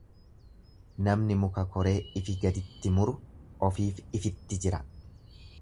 Namni muka koree ifi gaditti muru ofiif ifitti jira.